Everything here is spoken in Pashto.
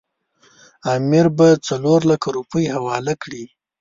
امیر به څلورلکه روپۍ حواله کړي.